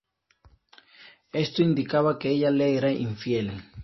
Esto indicaba que ella le era infiel.